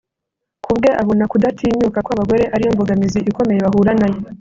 Kubwe abona kudatinyuka kw’abagore ariyo mbogamizi ikomeye bahura nayo